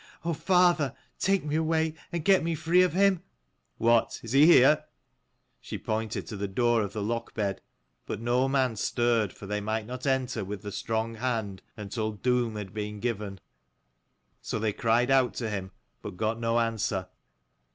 Oh father, take me away and get me free of him," "What, is he here?" She pointed to the door of the lockbed : but no man stirred, for they might not enter with the strong hand until doom had been given. So they cried out to him, but got no answer.